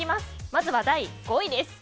まずは第５位です。